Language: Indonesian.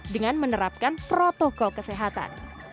dengan menerapkan protokol kesehatan